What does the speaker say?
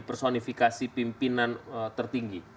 personifikasi pimpinan tertinggi